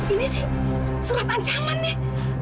ini sih surat ancaman ya